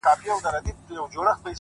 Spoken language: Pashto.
• او له هیلمند څخه تر جلال آباد ,